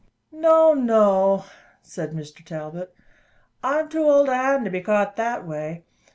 "No, no," said Mr Talbot, "I am too old a hand to be caught that way.